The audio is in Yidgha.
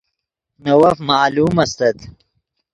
نے وف معلوم استت